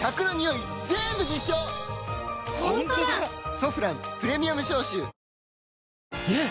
「ソフランプレミアム消臭」ねえ‼